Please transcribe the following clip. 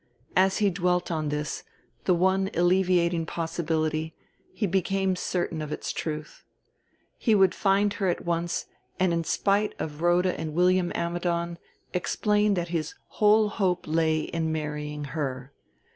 As he dwelt on this, the one alleviating possibility, he became certain of its truth. He would find her at once and in spite of Rhoda and William Ammidon explain that his whole hope lay in marrying her.